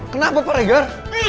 kenapa pak regar